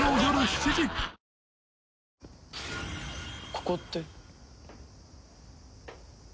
ここって？